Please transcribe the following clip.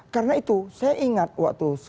karena itu saya ingat waktu